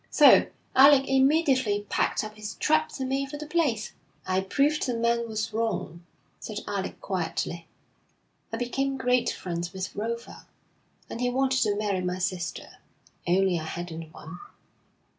So Alec immediately packed up his traps and made for the place.' 'I proved the man was wrong,' said Alec quietly. 'I became great friends with Rofa, and he wanted to marry my sister, only I hadn't one.'